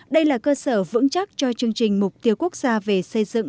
đây là cơ sở vững chắc cho chương trình mục tiêu quốc gia về xây dựng